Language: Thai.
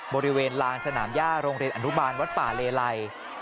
บริเวณลานสนามย่าโรงเรียนอนุบาลวัดป่าเลไล